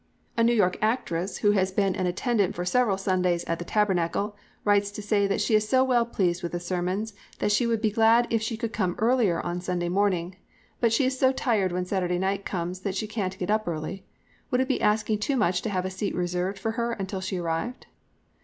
A New York actress, who has been an attendant for several Sundays at the Tabernacle, writes to say that she is so well pleased with the sermons that she would be glad if she could come earlier on Sunday morning, but she is so tired when Saturday night comes that she can't get up early. Would it be asking too much to have a seat reserved for her until she arrived!"